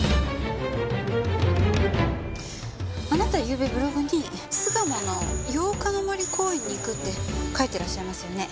あなたゆうべブログに巣鴨の八日の森公園に行くって書いてらっしゃいますよね？